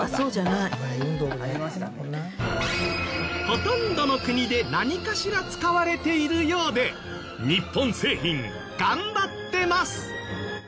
ほとんどの国で何かしら使われているようで日本製品頑張ってます！